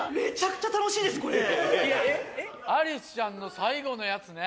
アリスちゃんの最後のやつね。